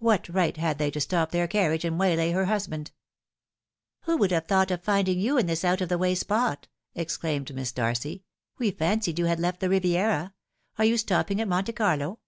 What right had they to stop their carriage and waylay her husband ?" Who would have thought of finding you in this out of the way spot ?" exclaimed Miss Darcy ;" we fancied you had left the Riviera. Are you stopping at Monte Carlo